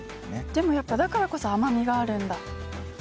でもやっぱだからこそ甘みがあるんだ。